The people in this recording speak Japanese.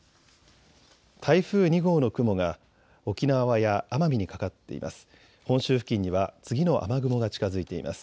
台風２号の雲が沖縄や奄美にかかっています。